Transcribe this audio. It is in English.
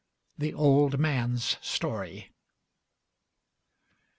THE OLD MAN'S STORY.